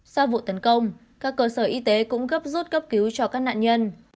sau vụ tấn công các cơ sở y tế cũng gấp rút cấp cứu cho các nạn nhân